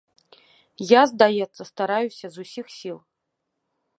Я, здаецца, стараюся з усіх сіл.